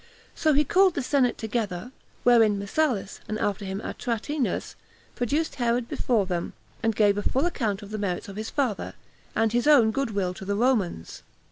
So he called the senate together, wherein Messalas, and after him Atratinus, produced Herod before them, and gave a full account of the merits of his father, and his own good will to the Romans.